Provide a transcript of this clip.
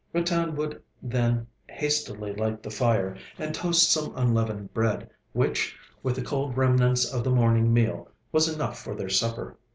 Ratan would then hastily light the fire, and toast some unleavened bread, which, with the cold remnants of the morning meal, was enough for their supper.